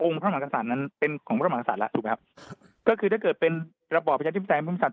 องค์พระมหากษัตริย์เป็นของพระมหากษัตริย์ถ้าเกิดเป็นระบบพระสันติปฏิสัตย์